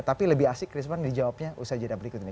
tapi lebih asik chris menurut jawabnya usaha jadwal berikut ini